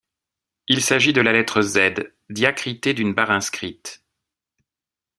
Il s’agit de la lettre Z diacritée d'une barre inscrite.